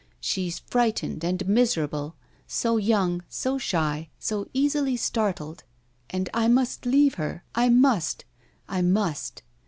She's frightened and miserable. So young, so shy, so easily startled. And I must leave her I must! I must!